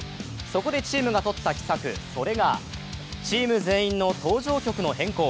そこでチームがとった奇策それがチーム全員の登場曲の変更。